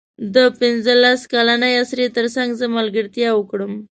د پنځلس کلنې اسرې تر څنګ زه ملګرتیا وکړم.